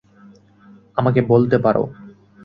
আমাকে বলতে পার।